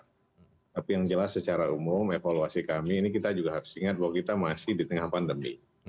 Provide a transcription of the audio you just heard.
tapi yang jelas secara umum evaluasi kami ini kita juga harus ingat bahwa kita masih di tengah pandemi